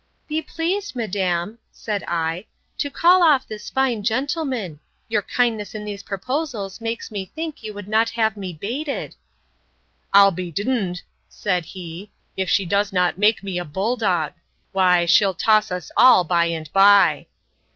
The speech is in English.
Be pleased, madam, said I, to call off this fine gentleman. Your kindness in these proposals makes me think you would not have me baited. I'll be d——d, said he, if she does not make me a bull dog! Why she'll toss us all by and by!